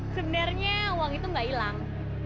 sebenernya uang itu gak hilang